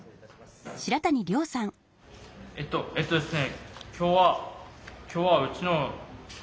えっとえっとですね